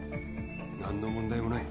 何の問題もない。